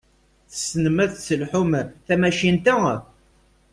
Tessnem ad tesselḥum tamacint-a?